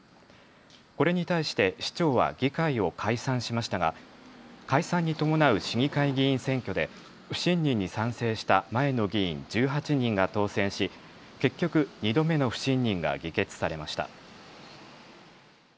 これに対して市長は議会を解散しましたが解散に伴う市議会議員選挙で不信任に賛成した前の議員１８人が当選し結局、２度目の不信任が議決されました。